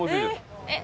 えっ！